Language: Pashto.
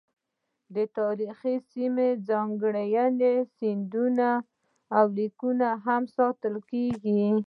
تاریخي سیمې، ځانګړي سندونه او لیکونه هم ساتل کیږي.